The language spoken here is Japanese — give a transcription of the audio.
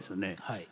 はい。